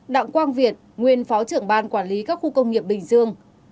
đặng quang việt nguyên phó trưởng ban quản lý các khu công nghiệp bình dương